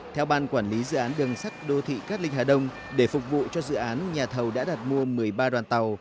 theo ban quản lý dự án đường sắt đô thị cát linh hà đông để phục vụ cho dự án nhà thầu đã đặt mua một mươi ba đoàn tàu